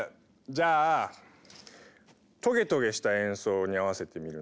じゃあトゲトゲした演奏に合わせてみるのはどう？